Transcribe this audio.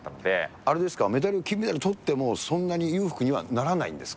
あれですか、金メダルとっても、そんなに裕福にはならないんですか？